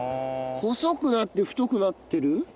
細くなって太くなってる？